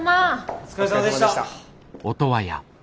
お疲れさまでした。